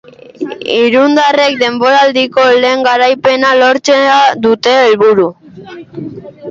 Irundarrek denboraldiko lehen garaipena lortzea dute helburu.